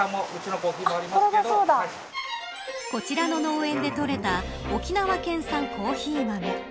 こちらの農園でとれた沖縄県産コーヒー豆。